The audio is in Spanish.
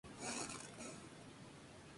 Odum o sus puntos de vista.